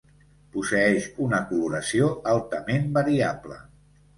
Posseeix una coloració altament variable.